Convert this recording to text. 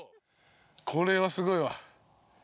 これはすごいわ。